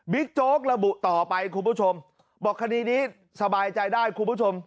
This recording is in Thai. โจ๊กระบุต่อไปคุณผู้ชมบอกคดีนี้สบายใจได้คุณผู้ชม